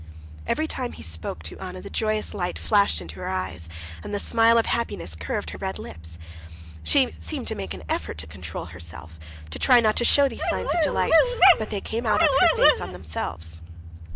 Every time he spoke to Anna the joyous light flashed into her eyes, and the smile of happiness curved her red lips. She seemed to make an effort to control herself, to try not to show these signs of delight, but they came out on her face of themselves.